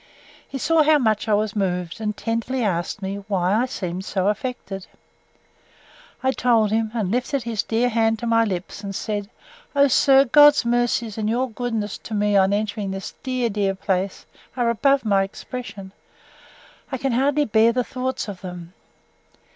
He saw how much I was moved, and tenderly asked me, Why I seemed so affected? I told him, and lifted his dear hand to my lips, and said, O sir! God's mercies, and your goodness to me on entering this dear, dear place, are above my expression; I can hardly bear the thoughts of them!